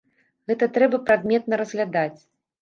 Гэта трэба прадметна разглядаць!